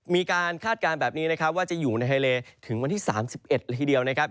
คาดการณ์แบบนี้นะครับว่าจะอยู่ในทะเลถึงวันที่๓๑ละทีเดียวนะครับ